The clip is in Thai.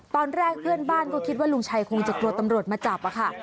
ตอนแรกเพื่อนบ้านก็คิดว่าลุงชัยคงจะกลัวตำรวจมาจับค่ะ